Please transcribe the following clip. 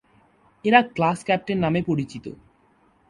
এরা 'class captain' নামে পরিচিত।